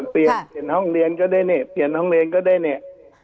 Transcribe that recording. เปลี่ยนห้องเรียนก็ดีนี่